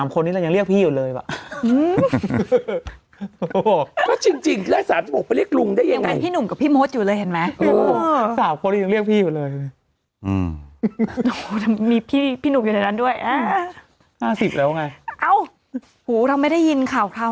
คงจะต้องปิดกิจการแล้วเหมือนกันน่ะ